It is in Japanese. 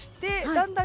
だんだん